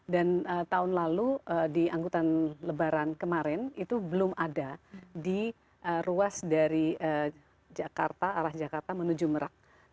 dan tahun lalu di angkutan lebaran kemarin itu belum ada di ruas dari jakarta arah jakarta menuju pelabuhan